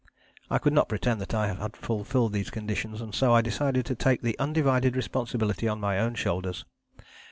I could not pretend that I had fulfilled these conditions; and so I decided to take the undivided responsibility on my own shoulders.